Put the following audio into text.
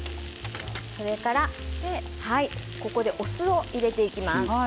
それからここでお酢を入れていきます。